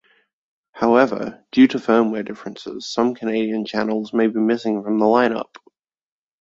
However, due to firmware differences, some Canadian channels may be missing from the line-up.